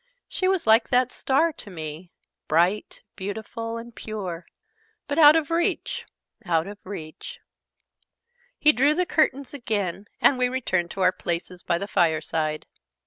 "She was like that star to me bright, beautiful, and pure, but out of reach, out of reach!" He drew the curtains again, and we returned to our places by the fireside.